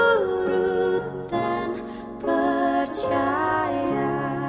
yang turut dan percaya